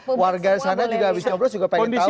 pemilu sekarang ini hanya bisa terjadi kecurangan di tps